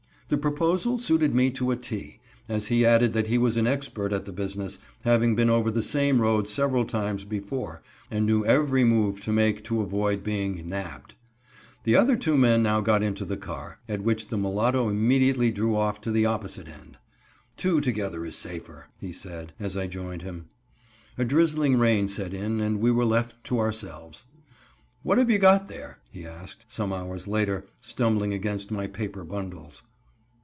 The proposal suited me to a T, as he added that he was an expert at the business, having been over the same road several times before, and knew every move to make to avoid being "nabbed." The other two men now got into the car, at which the mulatto immediately drew off to the opposite end. "Two together is safer," he said, as I joined him. A drizzling rain set in and we were left to ourselves. "What have you got there?" he asked, some hours later, stumbling against my paper bundles.